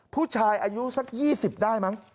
ผู้ชายอายุสัก๒๐ได้มั้ง